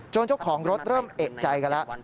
เจ้าของรถเริ่มเอกใจกันแล้ว